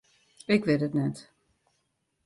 Ik wit it net.